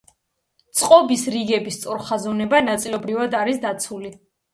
წყობის რიგების სწორხაზოვნება ნაწილობრივად არის დაცული.